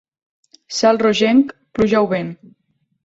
Cel rogent: pluja o vent.